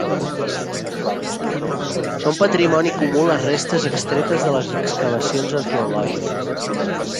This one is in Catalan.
Són patrimoni comú les restes extretes de les excavacions arqueològiques.